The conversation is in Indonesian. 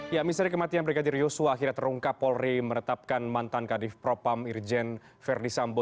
ya misteri kematian brigadir yosua akhirnya terungkap polri menetapkan mantan kadif propam irjen verdi sambo